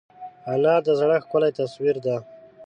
انا د زړښت ښکلی تصویر ده